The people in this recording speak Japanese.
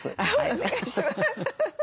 お願いします。